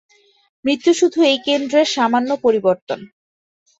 মৃত্যু শুধু এই কেন্দ্রের সামান্য পরিবর্তন।